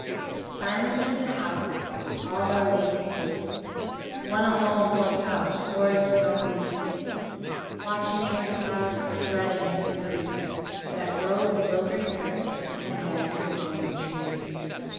Silent is the house: all are laid asleep: One alone looks out o'er the snow wreaths deep, Watching every cloud, dreading every breeze That whirls the wildering drift, and bends the groaning trees.